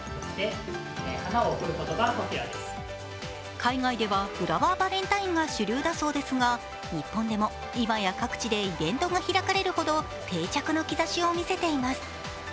海外ではフラワーバレンタインが主流だそうですが、日本でも今や各地でイベントが開かれるほど定着の兆しを見せています。